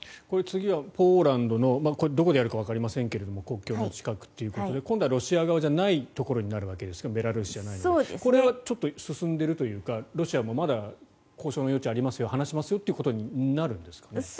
これ、次はポーランドのどこでやるかわかりませんが国境の近くということで今度はロシア側じゃないところになるわけですがこれは進んでいるというかロシアもまだ交渉の余地がありますよ話しますよということになるんですかね。